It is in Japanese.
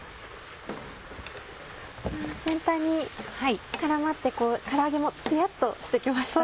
全体に絡まってから揚げもツヤっとして来ましたね。